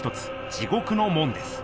「地獄の門」です。